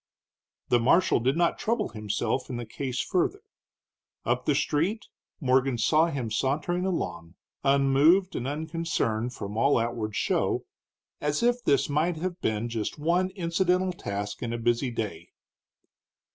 The marshal did not trouble himself in the case further. Up the street Morgan saw him sauntering along, unmoved and unconcerned, from all outward show, as if this might have been just one incidental task in a busy day.